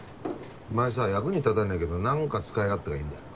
お前さ役に立たねぇけどなんか使い勝手がいいんだよな。